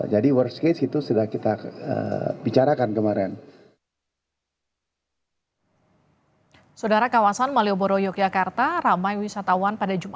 jadi worst case itu sudah kita bicarakan kemarin